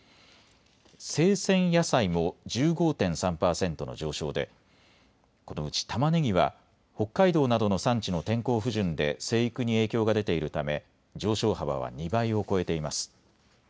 生鮮野菜も１５．３％の上昇でこのうち、たまねぎは北海道などの産地の天候不順で生育に影響が出ているため上昇幅は２倍を超えています。